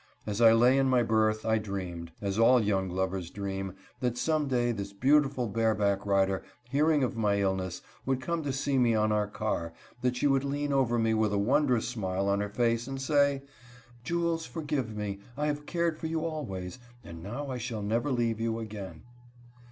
As I lay in my berth I dreamed, as all young lovers dream, that some day this beautiful bareback rider, hearing of my illness, would come to see me on our car; that she would lean over me with a wondrous smile on her face and say: "Jules, forgive me. I have cared for you always, and now I shall never leave you again."